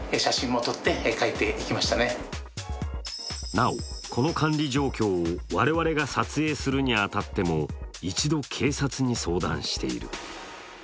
なお、この管理状況を我々が撮影するに当たっても一度警察に相談している。